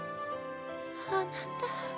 あなた。